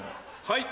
はい！